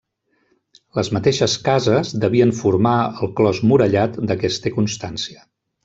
Les mateixes cases devien formar el clos murallat de què es té constància.